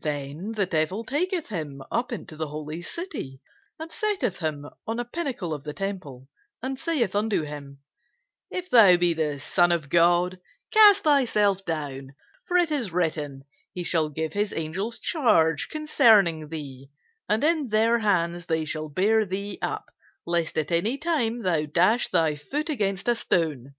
Then the devil taketh him up into the holy city, and setteth him on a pinnacle of the temple, and saith unto him, If thou be the Son of God, cast thyself down: for it is written, He shall give his angels charge concerning thee: and in their hands they shall bear thee up, lest at any time thou dash thy foot against a stone.